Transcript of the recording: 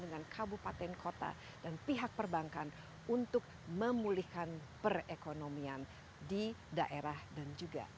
dengan kabupaten kota dan pihak perbankan untuk memulihkan perekonomian di daerah dan juga